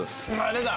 出た！